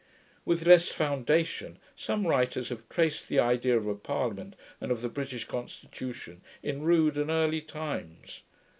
With less foundation, some writers have traced the idea of a parliament, and of the British constitution, in rude and early times.